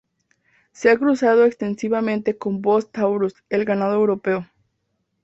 Se ha cruzado extensivamente con "Bos taurus", el ganado europeo.